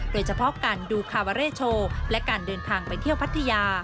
โดยเฉพาะการดูคาวาเร่โชว์และการเดินทางไปเที่ยวพัทยา